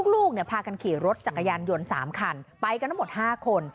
ลูกพากันขี่รถจักรยานยนต์๓คันไปกันทั้งหมด๕คน